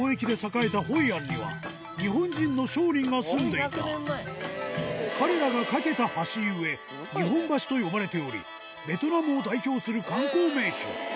今から彼らが架けた橋ゆえ「日本橋」と呼ばれておりベトナムを代表する観光名所